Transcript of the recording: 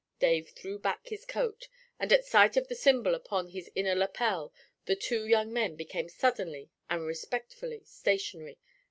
Dave threw back his coat, and at sight of the symbol upon his inner lapel the two young men became suddenly and respectfully stationary.